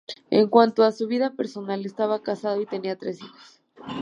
En cuanto a su vida personal, estaba casado y tenía tres hijos.